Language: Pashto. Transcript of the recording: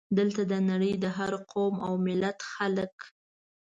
دلته د نړۍ د هر قوم او ملت خلک.